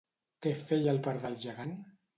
Què feia el pardal gegant?